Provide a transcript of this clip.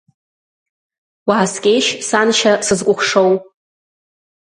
Уааскьеишь, саншьа, сызкухшоу!